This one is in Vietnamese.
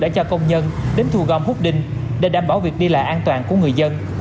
đã cho công nhân đến thu gom hút đinh để đảm bảo việc đi lại an toàn của người dân